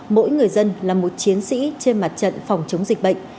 mỗi người dân là một chiến sĩ trên mặt trận phòng chống dịch bệnh